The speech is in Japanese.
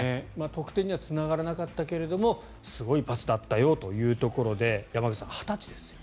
得点にはつながらなかったけれどもすごいパスだったよというところで山口さん、２０歳ですよ。